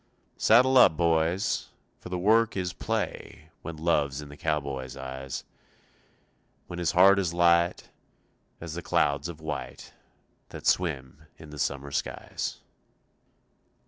Saddle up, boys, For the work is play When love's in the cowboy's eyes, When his heart is light As the clouds of white That swim in the summer skies.